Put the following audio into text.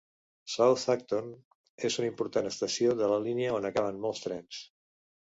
South Acton és una important estació de la línia on acaben molts trens.